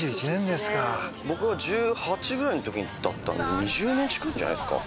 僕が１８ぐらいの時だったんで２０年近いんじゃないですか？